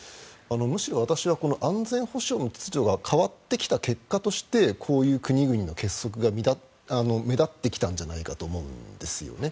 むしろ私は安全保障の秩序が変わってきた結果としてこういう国々の結束が目立ってきたんじゃないかと思うんですよね。